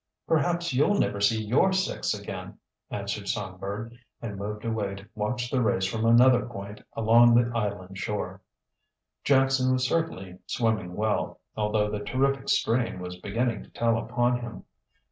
"Perhaps you'll never see your six again," answered Songbird, and moved away to watch the race from another point along the island shore. Jackson was certainly swimming well, although the terrific strain was beginning to tell upon him.